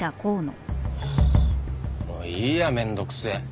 もういいや面倒くせえ。